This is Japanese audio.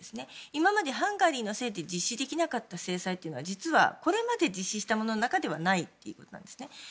今までハンガリーのせいで実施できなかった制裁というのはこれまで実施したものの中ではないんですね。